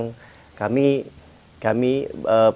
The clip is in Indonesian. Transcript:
kami kami pad kami tuh berkurang